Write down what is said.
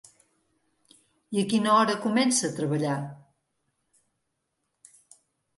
I a quina hora comença a treballar?